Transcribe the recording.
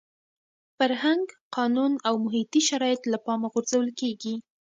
فرهنګ، قانون او محیطي شرایط له پامه غورځول کېږي.